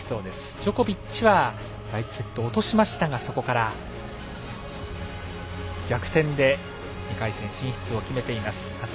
ジョコビッチは第１セット落としましたがそこから逆転で２回戦進出を決めています。